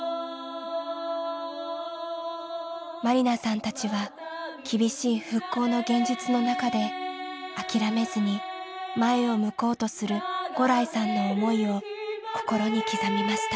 万里奈さんたちは厳しい復興の現実の中で諦めずに前を向こうとする牛来さんの思いを心に刻みました。